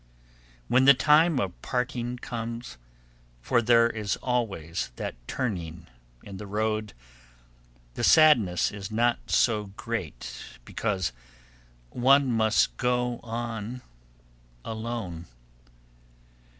When the time of parting comes, for there is always that turning in the road, the sadness is not so great because one must go on alone.